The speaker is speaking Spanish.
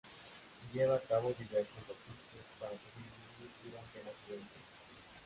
Lleva a cabo diversos oficios para sobrevivir durante su juventud.